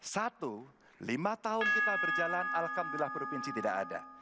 satu lima tahun kita berjalan alhamdulillah provinsi tidak ada